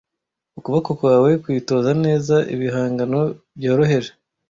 Ukuboko kwawe kwitoza neza ibihangano byoroheje